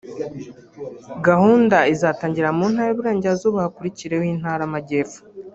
Gahunda izatangirira mu ntara y’uburengerazuba hakurikireho intara amajyepfo